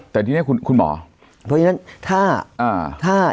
เพราะฉะนั้นถ้า